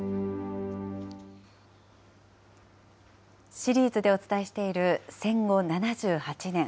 シリーズでお伝えしている戦後７８年。